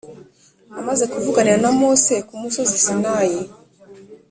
Amaze kuvuganira na Mose ku musozi Sinayi